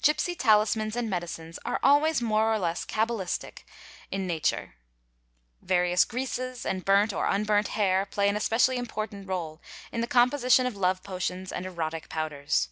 Gipsy talismans and medicines are always more or less cabalistic in '» a 372 WANDERING TRIBES nature. Various greases and burnt or unburnt hair play an especially — important réle in the composition of love potions and erotic powders.